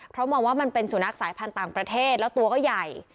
เพราะมองว่ามันเป็นสุนัขสายพันธุ์ต่างประเทศแล้วตัวก็ใหญ่